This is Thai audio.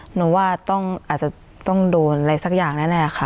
หนูว่าต้องอาจจะต้องดูอะไรสักอย่างแน่แน่ค่ะ